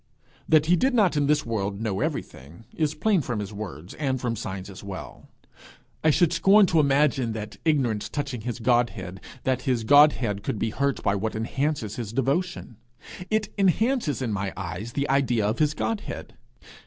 That he did not in this world know everything, is plain from his own words, and from signs as well: I should scorn to imagine that ignorance touching his Godhead, that his Godhead could be hurt by what enhances his devotion. It enhances in my eyes the idea of his Godhead.